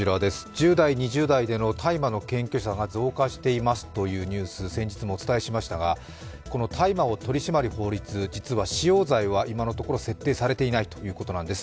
１０代、２０代での大麻の検挙者が増加していますというニュース先日もお伝えしましたがこの大麻を取り締まる法律、実は使用罪は今のところ設定されていないということなんです。